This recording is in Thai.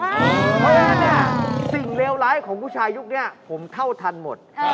เพราะฉะนั้นเนี่ยสิ่งเลวร้ายของผู้ชายยุคนี้ผมเท่าทันหมด